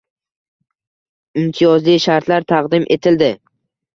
Imtiyozli shartlar taqdim etildi